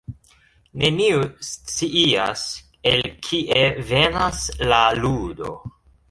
Neniu scias el kie venas La Ludo.